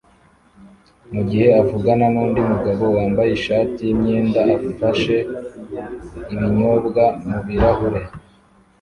mugihe avugana nundi mugabo wambaye ishati yimyenda afashe ibinyobwa mubirahure